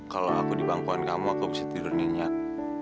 kalau aku di bangkuan kamu aku bisa tidur nyenyak